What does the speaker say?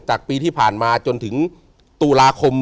ปีที่ผ่านมาจนถึงตุลาคม